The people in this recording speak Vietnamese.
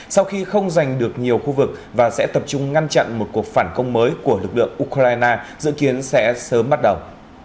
sau khi không giành được nhiều khu vực và sẽ tập trung ngăn chặn một cuộc phản công mới của lực lượng ukraine dự kiến sẽ sớm bắt đầu